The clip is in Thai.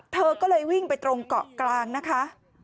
เธอก็เลยวิ่งไปตรงเกาะกลางนะคะ